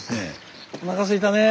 おなかすいたねえ。